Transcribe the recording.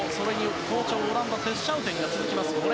好調、５レーンオランダのテス・シャウテンが続きます。